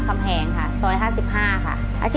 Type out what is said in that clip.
เพื่อร้องได้ให้ร้าง